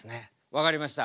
分かりました。